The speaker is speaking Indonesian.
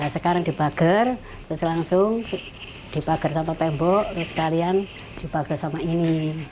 sekarang dibagar terus langsung dibagar sama tembok terus sekalian dibagar sama ini